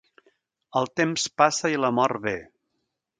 El temps passa i la mort ve.